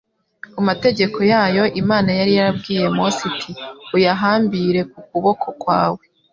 Ku mategeko yayo, Imana yari yarabwiye Mose iti :« Uyahambire ku kuboko kwawe